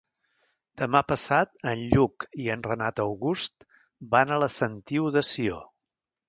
Demà passat en Lluc i en Renat August van a la Sentiu de Sió.